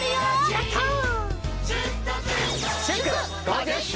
［やったー！］